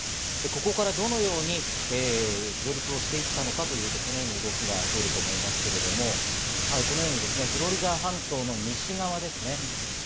ここからどのように上陸をしていたのかというと、動きが出ると思いますけど、このようにフロリダ半島の西側ですね。